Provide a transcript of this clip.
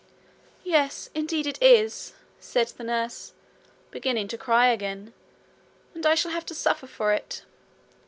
'Yes, indeed it is!' said the nurse, beginning to cry again. 'And I shall have to suffer for it.'